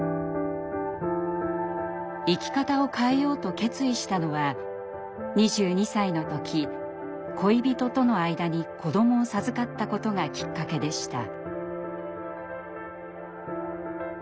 生き方を変えようと決意したのは２２歳の時恋人との間に子どもを授かったことがきっかけでした。